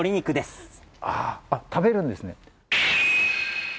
ああ、食べるんですね。